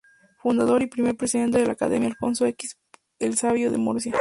Fundador y primer presidente de la Academia Alfonso X el Sabio de Murcia.